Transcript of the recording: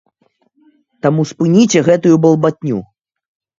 Таму спыніце гэтую балбатню!